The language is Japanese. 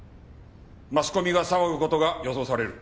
マスコミが騒ぐ事が予想される。